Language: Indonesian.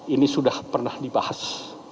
ini sudah pernah dibahas